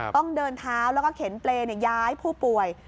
ต้องเดินเท้าแล้วก็เข็นเปรย์ย้ายผู้ป่วย